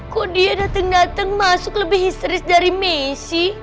kok dia dateng dateng masuk lebih histeris dari messi